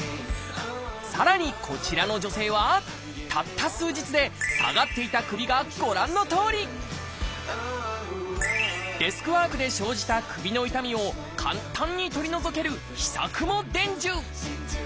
さらにこちらの女性はたった数日で下がっていた首がご覧のとおりデスクワークで生じた首の痛みを簡単に取り除ける秘策も伝授。